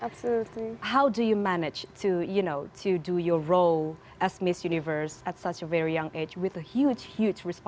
bagaimana anda berhasil melakukan peran sebagai miss universe pada umur yang sangat muda dengan tanggung jawab yang besar